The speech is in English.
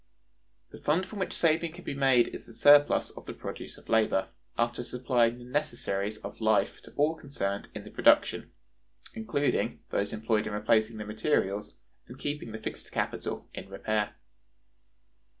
(1.) The fund from which saving can be made is the surplus of the produce of labor, after supplying the necessaries of life to all concerned in the production (including those employed in replacing the materials, and keeping the fixed capital in repair).